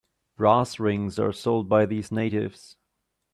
Brass rings are sold by these natives.